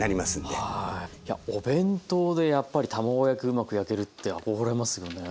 お弁当でやっぱり卵焼きうまく焼けるって憧れますよね。